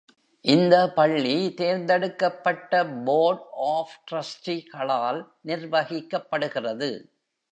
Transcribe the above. இந்த பள்ளி தேர்ந்தெடுக்கப்பட்ட போர்ட் ஆஃப் ட்ரஸ்டி-களால் நிர்வகிக்கப்படுகிறது.